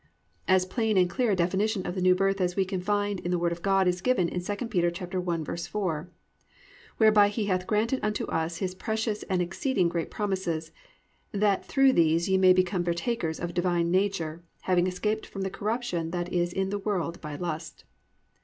As plain and clear a definition of the New Birth as we can find in the Word of God is given in 2 Pet. 1:4, +"Whereby he hath granted unto us his precious and exceeding great promises; that through these ye may become partakers of the divine nature, having escaped from the corruption that is in the world by lust."